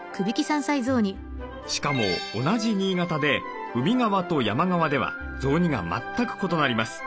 しかも同じ新潟で海側と山側では雑煮が全く異なります。